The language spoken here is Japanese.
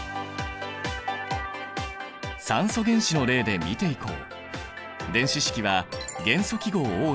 酸素原子の例で見ていこう。